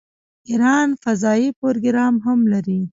ایران فضايي پروګرام هم لري.